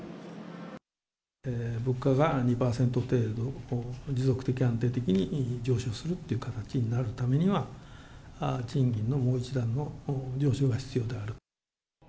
物価が２％程度、持続的安定的に上昇するっていう形になるためには、賃金のもう一段の上昇が必要である。